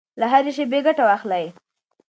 له هرې شېبې ګټه واخلئ.